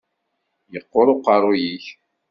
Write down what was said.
Yeqquṛ uqeṛṛu-yik.